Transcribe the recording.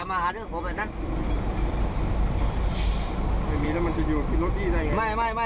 อีกแล้ว